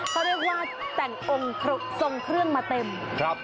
เขาเรียกว่าแต่งองค์ทรงเครื่องมาเต็ม